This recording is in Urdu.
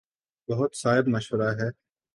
بہت صائب مشورہ ہے۔